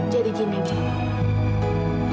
jadi gini bu